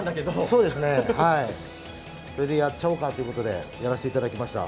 そうですね、それでやっちゃおうかということで、やらせていただきました。